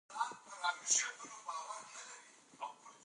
په اسلامي دولت کښي د خلکو حقونه خوندي ساتل کیږي.